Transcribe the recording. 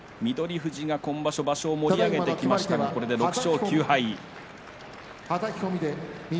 富士、今場所場所を盛り上げてきましたが６勝９敗。